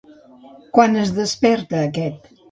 Quan es desperta aquest?